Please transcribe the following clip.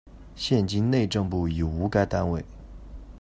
现今内政部已无该单位。